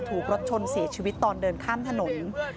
ถูกรถชนเสียชีวิตตอนเดินข้ามถนน